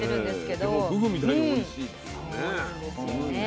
でもふぐみたいにおいしいっていうね。